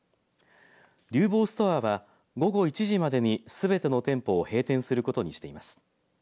リウボウストアは午後１時までにすべての店舗を閉店することにしています。